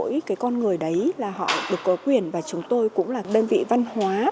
mỗi cái con người đấy là họ được có quyền và chúng tôi cũng là đơn vị văn hóa